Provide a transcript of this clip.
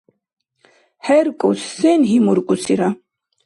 ХӀеркӀус, сен гьимуркӀусира?